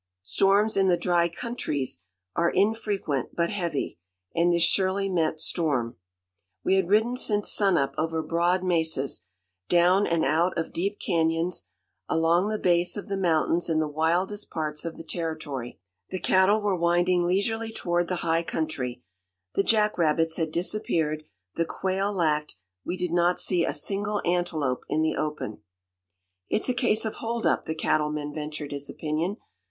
Storms in the dry countries are infrequent, but heavy; and this surely meant storm. We had ridden since sunup over broad mesas, down and out of deep cañons, along the base of the mountains in the wildest parts of the territory. The cattle were winding leisurely toward the high country; the jack rabbits had disappeared; the quail lacked; we did not see a single antelope in the open. "It's a case of hold up," the Cattleman ventured his opinion.